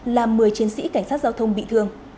làm một mươi chiến sĩ cảnh sát giao thông bị thương